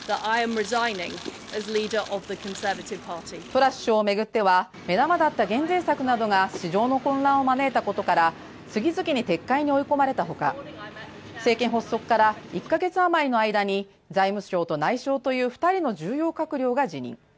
トラス首相を巡っては目玉だった減税策などが市場の混乱を招いたことから、次々に撤回に追い込まれたほか、政権発足から１か月余りの間に財務相と内相という２人の重要閣僚が辞任。